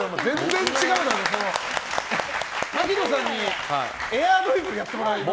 槙野さんにエアドリブルやってもらいます。